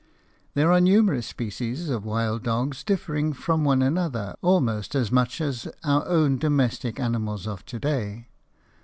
There are numerous species of wild dogs differing from one another almost as much as our own domestic animals of to day.